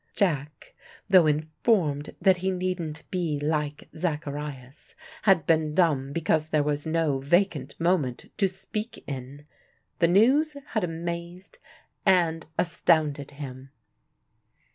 Jack, though informed that he needn't be like Zacharias, had been dumb because there was no vacant moment to speak in. The news had amazed and astounded him.